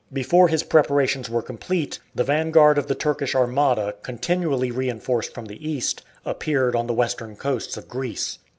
Before his preparations were complete, the vanguard of the Turkish armada, continually reinforced from the East, appeared on the western coasts of Greece.